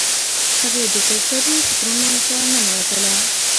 هغې د کرکټرونو فکرونو ته ننوتله.